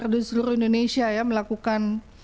di seluruh indonesia ya melakukan